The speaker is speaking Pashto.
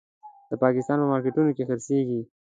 د پاکستان په مارکېټونو کې خرڅېږي.